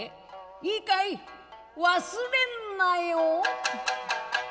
いいかい忘れんなよ！」。